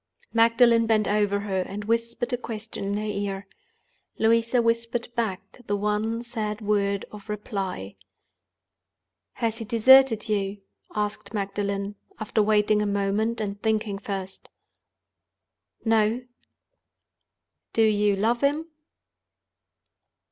Magdalen bent over her, and whispered a question in her ear. Louisa whispered back the one sad word of reply. "Has he deserted you?" asked Magdalen, after waiting a moment, and thinking first. "No." "Do you love him?"